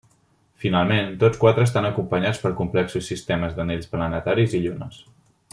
Finalment, tots quatre estan acompanyats per complexos sistemes d'anells planetaris i llunes.